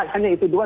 hanya itu dua